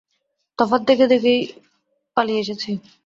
তফাত থেকে দেখেই পালিয়ে এসেছি।